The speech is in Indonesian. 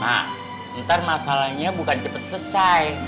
mak ntar masalahnya bukan cepet selesai